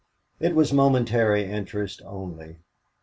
It was momentary interest only.